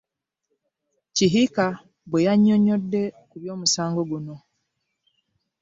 Kihika bwe yannyonnyodde ku by'omusango guno